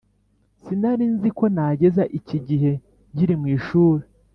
Sinarinziko nageza iki gihe nkiri mw’ishuri